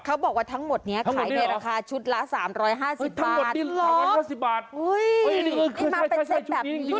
เค้าบอกว่าทั้งหมดเนี่ยขายในราคาชุดละ๓๕๐บาททั้งหมดนี้๓๕๐บาทเอ้ยนี่มาเป็นเซ็ทแบบนี้